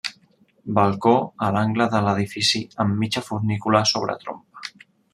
Balcó a l'angle de l'edifici amb mitja fornícula sobre trompa.